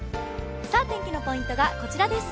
天気のポイントがこちらです。